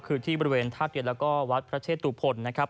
คือที่บริเวณท่าเตียนแล้วก็วัดพระเชตุพลนะครับ